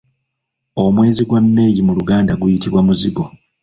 Omwezi gwa May mu luganda guyitibwa Muzigo.